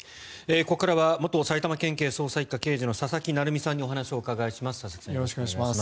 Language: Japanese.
ここからは元埼玉県警捜査１課刑事の佐々木成三さんにお話をお伺いします。